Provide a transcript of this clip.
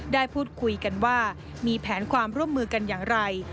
ได้พูดคุยกันว่ามีแผนความร่วมมือกันอย่างไร